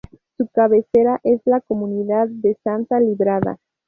Su cabecera es la comunidad de Santa Librada.